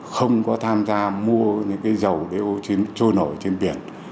không có tham gia mua dầu để trôi nổi